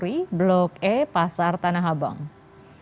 ketika dikumpulkan petugas gabungan yang mengembalikan petugas gabungan ini